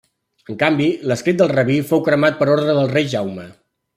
En canvi, l'escrit del rabí fou cremat per ordre del rei Jaume.